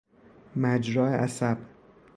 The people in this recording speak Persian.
مجرا عصب